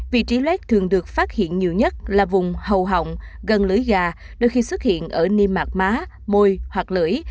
vị trí lết thường được phát hiện nhiều nhất là vùng hầu hỏng gần lưỡi gà đôi khi xuất hiện ở niêm mạc má môi hoặc lưỡi